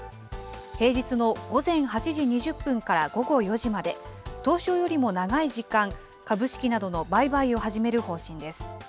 平日の午前８時２０分から午後４時まで、東証よりも長い時間、株式などの売買を始める方針です。